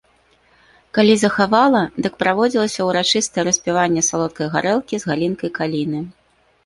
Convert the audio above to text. Калі захавала, дык праводзілася ўрачыстае распіванне салодкай гарэлкі з галінкай каліны.